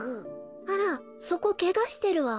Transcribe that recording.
あらそこけがしてるわ。